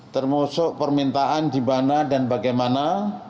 termasuk permintaan di mana dan bagaimana